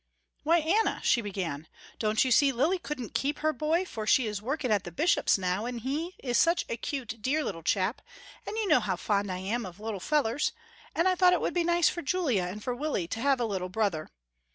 "Why Anna," she began, "don't you see Lily couldn't keep her boy for she is working at the Bishops' now, and he is such a cute dear little chap, and you know how fond I am of little fellers, and I thought it would be nice for Julia and for Willie to have a little brother.